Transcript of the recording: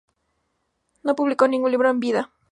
No publicó ningún libro en vida.